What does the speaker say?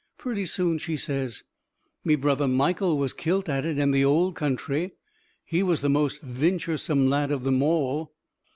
Purty soon she says: "Me brother Michael was kilt at it in the old country. He was the most vinturesome lad of thim all!"